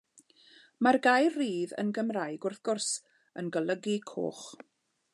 Mae'r gair rhudd yn Gymraeg, wrth gwrs, yn golygu coch.